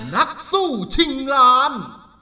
นักสู้ชิงล้าน